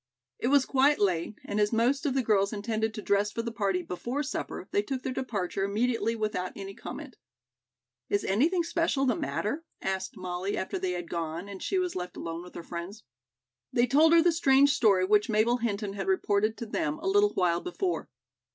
It was quite late, and as most of the girls intended to dress for the party before supper, they took their departure immediately without any comment. "Is anything special the matter?" asked Molly, after they had gone and she was left alone with her friends. They told her the strange story which Mabel Hinton had reported to them a little while before.